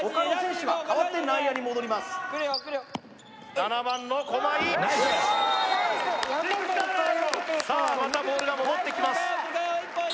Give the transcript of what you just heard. ７番の駒井さあまたボールが戻ってきます